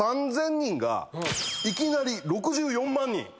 前３，０００人がいきなり６４万人。